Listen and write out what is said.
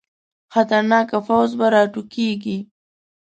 خطرناکه پوځ به راوټوکېږي.